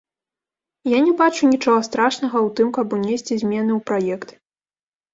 Я не бачу нічога страшнага ў тым, каб унесці змены ў праект.